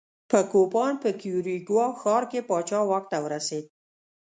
په کوپان په کیوریګوا ښار کې پاچا واک ته ورسېد.